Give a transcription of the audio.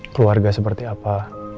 keluarga seperti apa